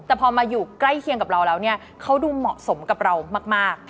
แต่พอมาอยู่ใกล้เคียงกับเราแล้วเนี่ยเขาดูเหมาะสมกับเรามาก